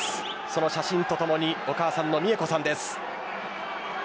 その写真とともにお母さんの三恵子さんです。